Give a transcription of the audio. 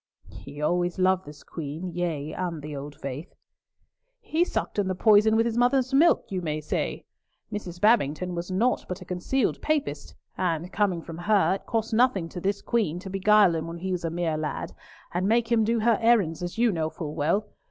"He always loved this Queen, yea, and the old faith." "He sucked in the poison with his mother's milk, you may say. Mrs. Babington was naught but a concealed Papist, and, coming from her, it cost nothing to this Queen to beguile him when he was a mere lad, and make him do her errands, as you know full well.